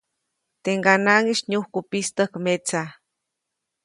Teʼ ŋganaʼŋis nyujku pistäjk metsa.